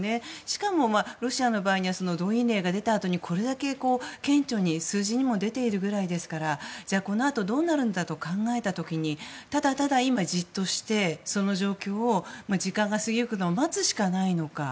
しかも、ロシアの場合は動員兵が出たあとにこれだけ顕著に数字にも出ているくらいですからこのあとどうなるんだと考えた時にただただ、じっとしてその状況を時間が過ぎゆくのを待つしかないのか。